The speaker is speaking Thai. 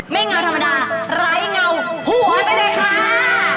แม่งเงาธรรมดาไร้เงาหัวไปเลยค่ะ